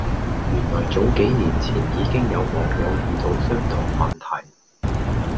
原來早幾年前已經有網友遇到相同問題